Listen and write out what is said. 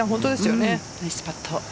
ナイスパット。